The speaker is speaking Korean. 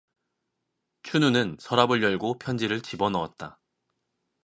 춘우는 서랍을 열고 편지를 집어 넣었다.